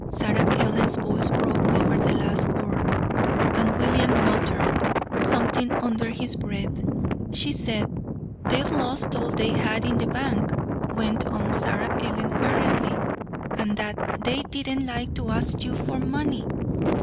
Sarah Ellen's voice broke over the last word, and William muttered something under his breath. "She said they'd lost all they had in the bank," went on Sarah Ellen hurriedly, "and that they didn't like to ask you for money."